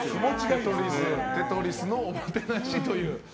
「テトリス」のおもてなしと。